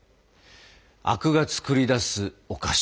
灰汁が作り出すお菓子